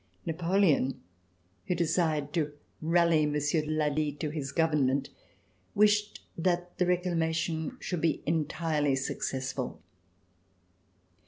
Napoleon, who desired to rally Monsieur de Lally to his government, wished that the reclamation should be entirely successful.